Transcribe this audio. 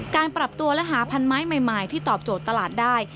การปรับตัวและหาพันไม้ใหม่ที่ตอบโจทย์ตลาดได้